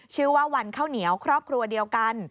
ชื่อว่าวันข้าวเหนียวครอบครัวเดียวกัน